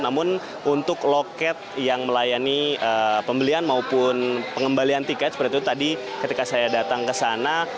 namun untuk loket yang melayani pembelian maupun pengembalian tiket seperti itu tadi ketika saya datang ke sana